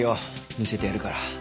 見せてやるから。